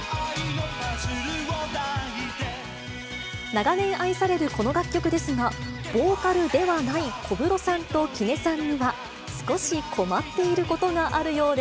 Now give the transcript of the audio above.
長年愛されるこの楽曲ですが、ボーカルではない小室さんと木根さんには、少し困っていることがあるようで。